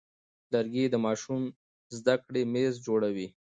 لرګی د ماشوم د زده کړې میز جوړوي.